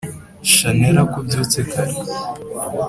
chanella ko ubyutse kare!!